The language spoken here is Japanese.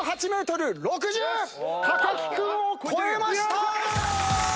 木君を超えました！